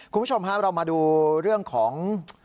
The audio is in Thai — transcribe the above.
คุณผู้ชมครับเรามาดูเรื่องของ